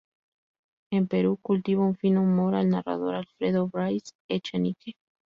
En Perú cultiva un fino humor el narrador Alfredo Bryce Echenique.